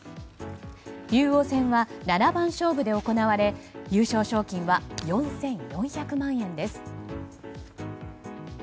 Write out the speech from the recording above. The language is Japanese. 竜王戦は七番勝負で行われ優勝賞金は４４００万円です。